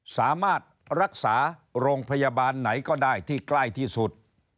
สามารถรักษาโรงพยาบาลไหนก็ได้ที่ใกล้ที่สุด